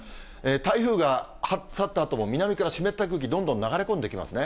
台風が去ったあとも南から湿った空気、どんどん流れ込んできますね。